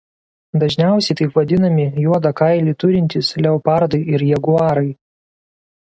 Dažniausiai taip vadinami juodą kailį turintys leopardai ir jaguarai.